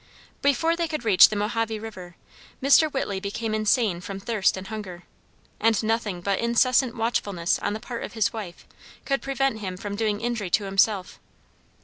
Before they could reach the Mohave river Mr. Whitley became insane from thirst and hunger, and nothing but incessant watchfulness on the part of his wife could prevent him from doing injury to himself.